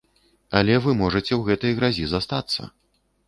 Але вы можаце ў гэтай гразі застацца.